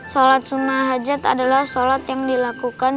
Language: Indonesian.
shalat sunnah hajat adalah shalat yang dilakukan